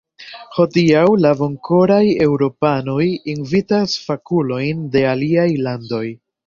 Hodiaŭ la bonkoraj eŭropanoj invitas fakulojn de aliaj landoj.